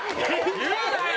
言うなよ！